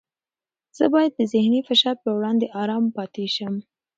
زه باید د ذهني فشار په وړاندې ارام پاتې شم.